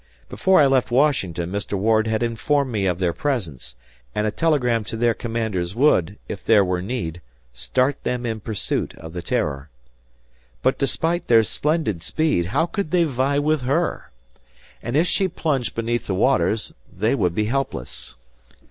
Before I left Washington Mr. Ward had informed me of their presence; and a telegram to their commanders would, if there were need, start them in pursuit of the "Terror." But despite their splendid speed, how could they vie with her! And if she plunged beneath the waters, they would be helpless.